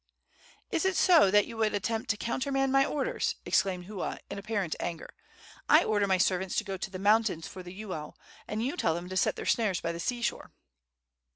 "Is it so that you would attempt to countermand my orders?" exclaimed Hua, in apparent anger. "I order my servants to go to the mountains for the uau, and you tell them to set their snares by the sea shore!"